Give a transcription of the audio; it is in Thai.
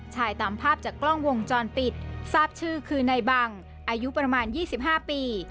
ตามภาพจากกล้องวงจรปิดทราบชื่อคือในบังอายุประมาณ๒๕ปี